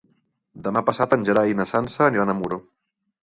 Demà passat en Gerai i na Sança aniran a Muro.